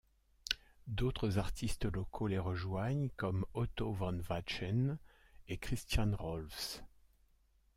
D'autres artistes locaux les rejoignent, comme Otto von Wätjen et Christian Rohlfs.